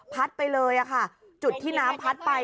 ไปเลยค่ะจุดที่น้ำพัดไป